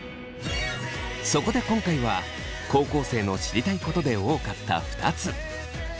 そこで今回は高校生の知りたいことで多かった２つ。